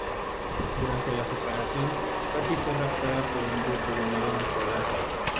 Durante la separación, Patty fue raptada por un brujo llamado Nicholas.